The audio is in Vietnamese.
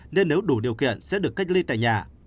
nên nếu đủ điều kiện sẽ được cách ly tại nhà